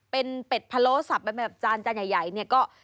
เป็นเป็ดพะโล้สับเป็นแบบจานจานใหญ่เนี่ยก็